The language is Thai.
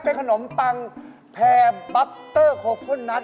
เป็นขนมปังแพร่บ๊อปเตอร์โคโคนัท